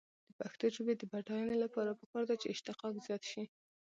د پښتو ژبې د بډاینې لپاره پکار ده چې اشتقاق زیات شي.